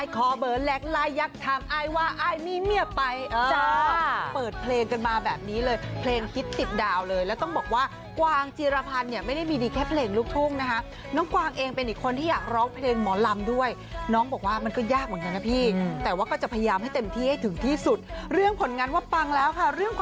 ตอนยอดวิว๒๗๐ล้านวิวแล้วคุณผู้ชมไม่ได้พูดผิดนะ๒๗๐ล้านวิวในระยะเวลาแค่๓ปีเท่านั้นเอง